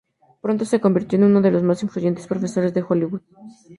Pronto se convirtió en uno de los más influyentes profesores de Hollywood.